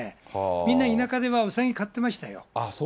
みんな田舎では、うさぎ飼ってましたよ。